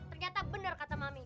ternyata benar kata mami